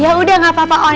ya udah gak apa apa om